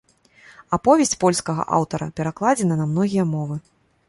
Аповесць польскага аўтара перакладзена на многія мовы.